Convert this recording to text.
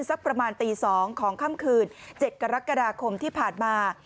สักประมาณตี๒ของค่ำคืน๗กรกฎาคมที่ผ่านมา